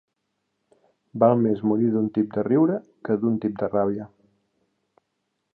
Val més morir d'un tip de riure que d'un tip de ràbia.